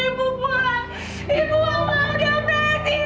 ibu ibu ibu